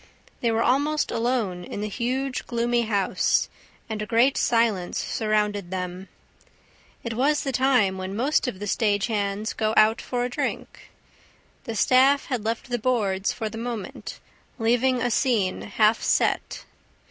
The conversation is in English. They were almost alone in the huge, gloomy house; and a great silence surrounded them. It was the time when most of the stage hands go out for a drink. The staff had left the boards for the moment, leaving a scene half set.